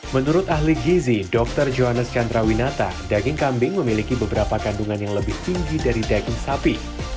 menurut ahli gizi dr johannes chandrawinata daging kambing memiliki beberapa kandungan yang lebih tinggi dari daging sapi